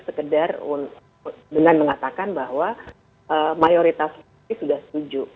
sekedar dengan mengatakan bahwa mayoritas sudah setuju